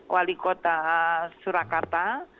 wali kota surakarta